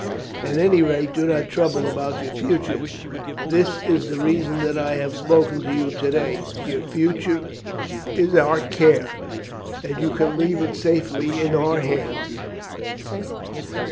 At any rate, do not trouble about your future. This is the reason that I have spoken to you to day. Your future is our care, and you can leave it safely in our hands."